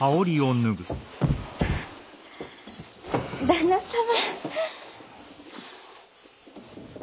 旦那様。